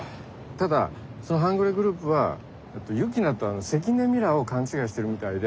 ただその半グレグループはユキナと関根ミラを勘違いしてるみたいで。